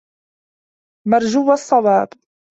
مَرْجُوَّ الصَّوَابِ